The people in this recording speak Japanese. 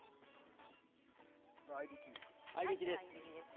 合いびきです。